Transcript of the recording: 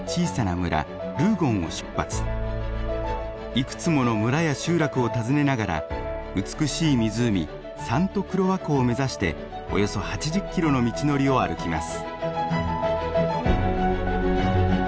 いくつもの村や集落を訪ねながら美しい湖サント・クロワ湖を目指しておよそ８０キロの道のりを歩きます。